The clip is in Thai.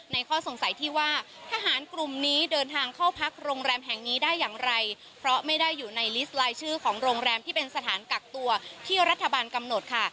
ข้อสงสัยที่ว่าทหารกลุ่มนี้เดินทางเข้าพักโรงแรมแห่งนี้ได้อย่างไรเพราะไม่ได้อยู่ในลิสต์ลายชื่อของโรงแรมที่เป็นสถานกักตัวที่รัฐบาลกำหนดค่ะ